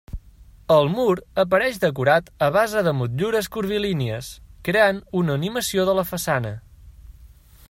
El mur apareix decorat a base de motllures curvilínies, creant una animació de la façana.